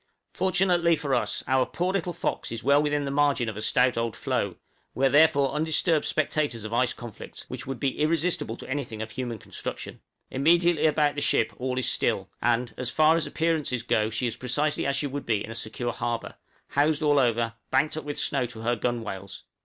Fortunately for us, our poor little 'Fox' is well within the margin of a stout old floe: we are therefore undisturbed spectators of ice conflicts, which would be irresistible to anything of human construction. Immediately about the ship all is still, and, as far as appearances go she is precisely as she would be in a secure harbor housed all over, banked up with snow to her gunwales.